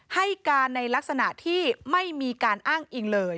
ให้การในลักษณะที่ไม่มีการอ้างอิงเลย